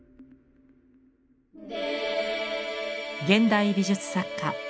現代美術作家